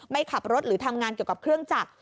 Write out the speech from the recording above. ไม่ขับรถหรือทำงานเกี่ยวกับเครื่องจักร